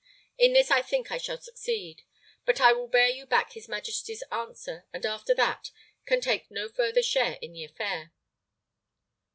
In this I think I shall succeed; but I will bear you back his majesty's answer, and after that can take no further share in the affair."